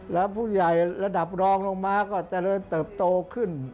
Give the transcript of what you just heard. แล้วผู้ใหญ่ระดับรองลงมาก็เจริญเติบโตขึ้น